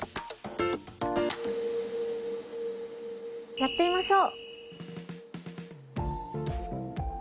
やってみましょう。